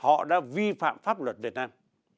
họ đã vi phạm pháp luật việt nam